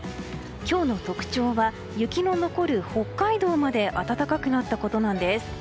今日の特徴は雪の残る北海道まで暖かくなったことなんです。